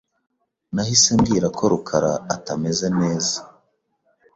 Nahise mbwira ko rukara atameze neza .